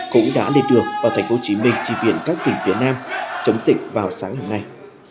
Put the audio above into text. cũng đã lên được vào thành phố hồ chí minh chi viện các tỉnh phía nam chống dịch vào sáng hôm nay